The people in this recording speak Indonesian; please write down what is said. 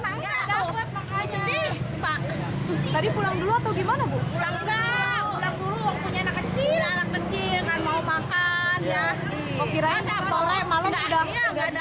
tadi pulang dulu atau gimana bu pulang pulang kecil kecil kan mau makan ya